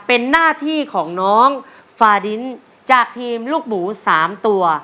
เป็นหน้าที่ของน้องฟาดินจากทีมลูกหมู๓ตัว